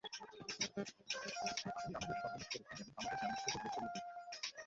আপনি আমাদের সর্বনাশ করেছেন এবং আমাদের জান্নাত থেকে বের করিয়ে দিয়েছেন।